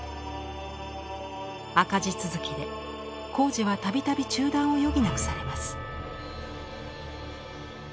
赤字続きで工事は度々中断を余儀なくされます。